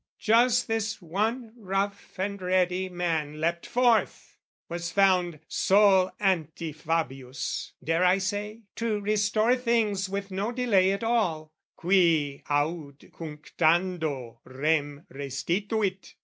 Just this one rough and ready man leapt forth! Was found, sole anti Fabius (dare I say) To restore things, with no delay at all, Qui, haud cunctando, rem restituit!